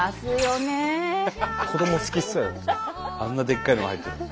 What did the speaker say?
あんなでかいのが入ってる。